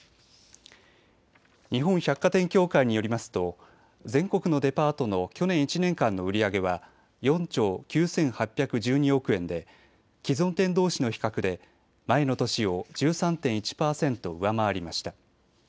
日本百貨店協会によりますと全国のデパートの去年１年間の売り上げは４兆９８１２億円で既存店どうしの比較で前の年を１３．１％上回りました。